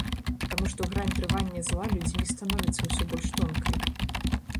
Таму што грань трывання зла людзьмі становіцца ўсё больш тонкай.